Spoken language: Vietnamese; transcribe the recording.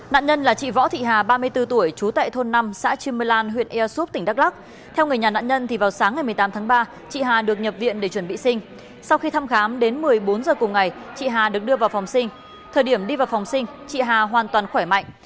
nạn nhân là chị võ thị hà ba mươi bốn tuổi trú tại thôn năm xã chim lan huyện ea súp tỉnh đắk lắc theo người nhà nạn nhân thì vào sáng ngày một mươi tám tháng ba chị hà được nhập viện để chuẩn bị sinh sau khi thăm khám đến một mươi bốn giờ cùng ngày chị hà được đưa vào phòng sinh thời điểm đi vào phòng sinh chị hà hoàn toàn khỏe mạnh